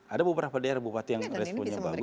ada beberapa daerah bupati yang responnya bagus